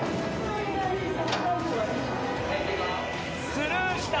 スルーした。